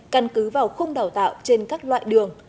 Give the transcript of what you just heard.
căn cứ vào khung đào tạo trên các loại đường